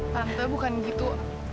tante bukan gitu